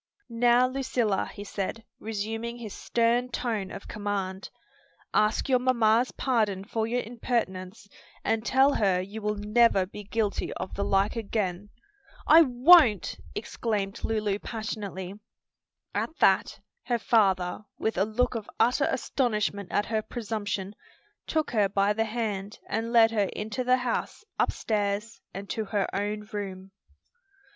"Now, Lucilla," he said, resuming his stern tone of command, "ask your mamma's pardon for your impertinence, and tell her you will never be guilty of the like again." "I won't!" exclaimed Lulu passionately. At that, her father, with a look of utter astonishment at her presumption, took her by the hand and led her into the house, upstairs and to her own room.